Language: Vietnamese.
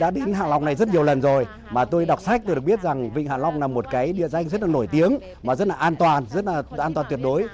đỉnh hạ long này rất nhiều lần rồi mà tôi đọc sách tôi được biết rằng vịnh hạ long là một cái địa danh rất là nổi tiếng mà rất là an toàn rất là an toàn tuyệt đối